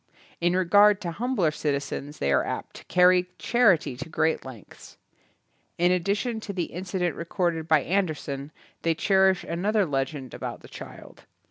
In regard to humbler citizens th^ are apt to. carry charity to great lengths. In addition to the incident recorded by Andersen they cherish an other legend about the child.